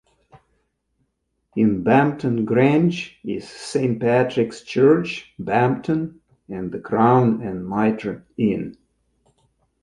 In Bampton Grange is Saint Patrick's Church, Bampton and the Crown and Mitre Inn.